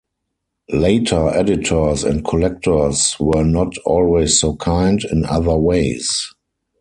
Later editors and collectors were not always so kind, in other ways.